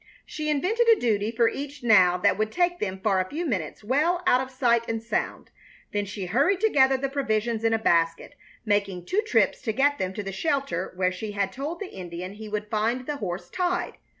She invented a duty for each now that would take them for a few minutes well out of sight and sound; then she hurried together the provisions in a basket, making two trips to get them to the shelter where she had told the Indian he would find the horse tied.